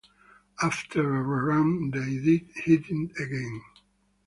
After a re-run they dead heated again.